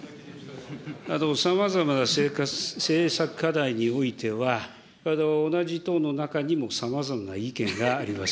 さまざまな政策課題においては、同じ党の中にもさまざまな意見があります。